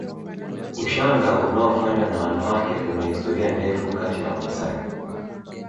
Ushanga unaofanywa na wanawake una historia ndefu kati ya Wamasai